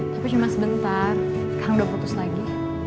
tapi cuma sebentar sekarang udah putus lagi